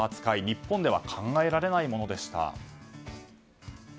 日本では考えられないものでした。